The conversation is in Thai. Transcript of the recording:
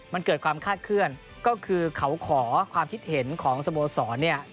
มันเกิดความคาดเคลื่อนก็คือเขาขอความคิดเห็นของสโมสรเนี่ย